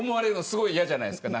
すごい嫌じゃないですか。